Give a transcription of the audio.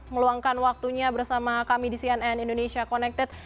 meluangkan waktunya bersama kami di cnn indonesia connected